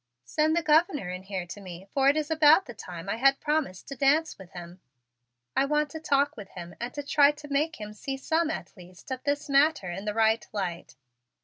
"Send the Governor in here to me, for it is about the time I had promised to dance with him. I want to talk with him and try to make him see some at least of this matter in the right light.